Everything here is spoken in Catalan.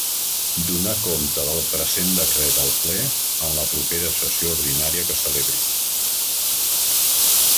Donar compte del present decret al Ple, en la propera sessió ordinària que celebri.